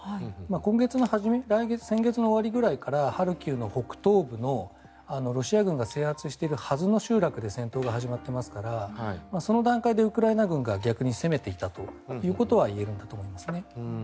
今月の初め先月の終わりぐらいからハルキウの北東部のロシア軍が制圧しているはずの集落で戦闘が始まっていますからその段階でウクライナ軍が逆に攻めていたということは言えるんだと思いますね。